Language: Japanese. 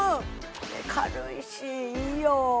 軽いしいいよ